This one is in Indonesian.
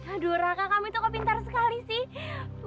aduh raka kamu tuh kok pintar sekali sih